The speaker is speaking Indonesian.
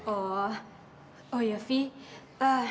oh oh ya vivi